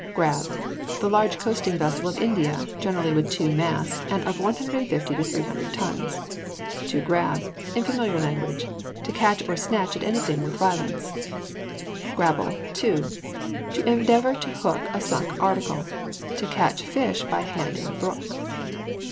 GRAB. The large coasting vessel of India, generally with two masts, and of 150 to 300 tons. To grab. In familiar language, to catch or snatch at anything with violence. GRABBLE, TO. To endeavour to hook a sunk article. To catch fish by hand in a brook.